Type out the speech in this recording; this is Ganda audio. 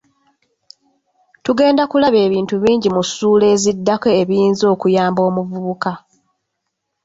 Tugenda kulaba ebintu bingi mu ssuula eziddako ebiyinza okuyamba omuvubuka.